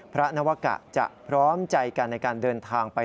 นวกะจะพร้อมใจกันในการเดินทางไป